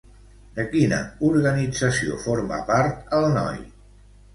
De quina organització forma part el noi?